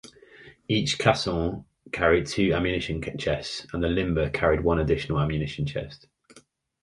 Each caisson carried two ammunition chests and the limber carried one additional ammunition chest.